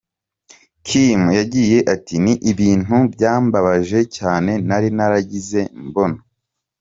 Kim yagize ati: “ni ibintu byambabaje cyane ntari narigeze mbona”.